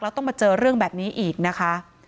แล้วต้องมาเจอเรื่องแบบนี้อีกนะคะ